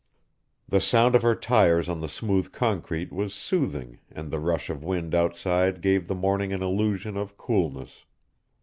The sound of her tires on the smooth concrete was soothing and the rush of wind outside gave the morning an illusion of coolness.